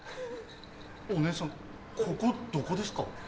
お姉さんここどこですか？